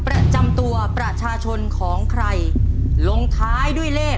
ประจำตัวประชาชนของใครลงท้ายด้วยเลข